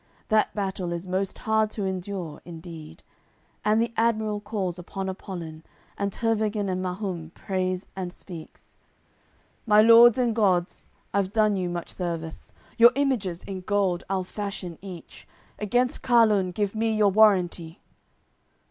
That battle is most hard to endure, indeed. And the admiral calls upon Apollin And Tervagan and Mahum, prays and speaks: "My lords and gods, I've done you much service; Your images, in gold I'll fashion each; Against Carlun give me your warranty!"